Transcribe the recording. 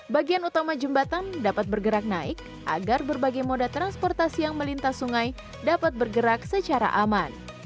bagian utama jembatan dapat bergerak naik agar berbagai moda transportasi yang melintas sungai dapat bergerak secara aman